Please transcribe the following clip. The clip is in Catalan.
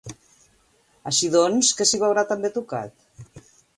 Així doncs, què s'hi veurà també tocat?